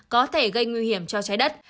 có thể gây nguy hiểm cho trái đất